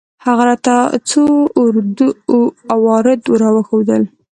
هغه راته څو اوراد راوښوول.